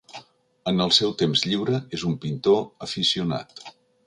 En el seu temps lliure és un pintor aficionat.